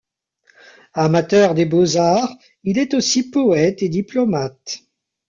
Amateur des beaux-arts, il est aussi poète et diplomate.